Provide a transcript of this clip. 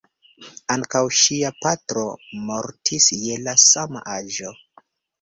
Ankaŭ ŝia patro mortis je la sama aĝo.